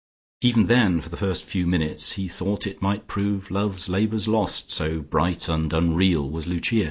Even then for the first few minutes he thought it might prove love's labour's lost, so bright and unreal was Lucia.